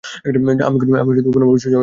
আমি কোনো ভাবে সোজা হয়ে বসলে পিঠে ব্যথা করে।